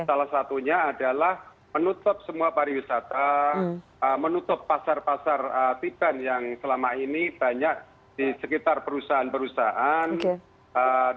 salah satunya adalah menutup semua pariwisata menutup pasar pasar tiban yang selama ini banyak di sekitar perusahaan perusahaan